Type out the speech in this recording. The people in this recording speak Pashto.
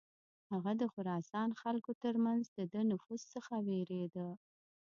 هغه د خراسان خلکو تر منځ د ده نفوذ څخه ویرېده.